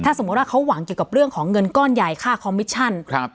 สมมุติว่าเขาหวังเกี่ยวกับเรื่องของเงินก้อนใหญ่ค่าคอมมิชชั่น